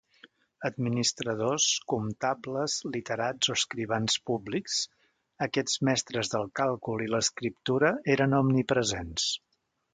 Administradors, comptables, literats o escrivans públics, aquests mestres del càlcul i l'escriptura eren omnipresents.